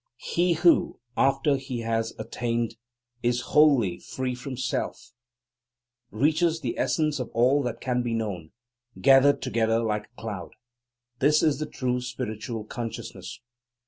He who, after he has attained, is wholly free from self, reaches the essence of all that can be known, gathered together like a cloud. This is the true spiritual consciousness.